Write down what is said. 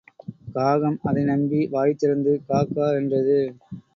காகம் அதை நம்பி, வாய்திறந்து—கா கா என்றது.